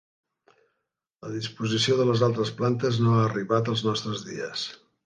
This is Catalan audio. La disposició de les altres plantes no ha arribat als nostres dies.